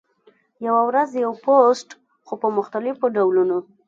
هره ورځ یو پوسټ، خو په مختلفو ډولونو: